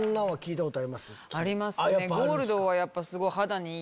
ありますね。